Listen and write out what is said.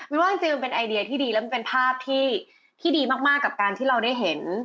ว่าจริงมันเป็นไอเดียที่ดีแล้วมันเป็นภาพที่ดีมากกับการที่เราได้เห็น